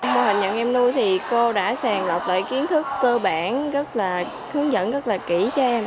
mô hình nhận em nuôi thì cô đã sàn lọc lại kiến thức cơ bản hướng dẫn rất là kỹ cho em